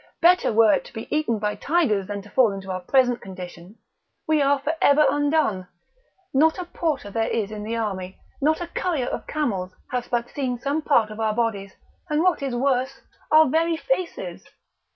Better were it to be eaten by tigers than to fall into our present condition! we are for ever undone! Not a porter is there in the army, nor a currier of camels, but hath seen some part of our bodies, and, what is worse, our very faces!"